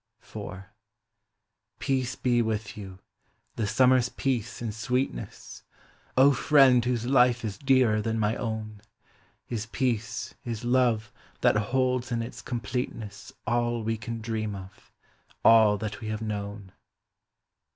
FAX VOBISCUM. IV. Peace be with you — the summer's peace and sweet ness ! O friend whose life is dearer than my own ! His peace, His love, that holds in its completeness All we can dream of — all that we have known.